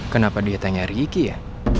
kenapa dia tanya riki ya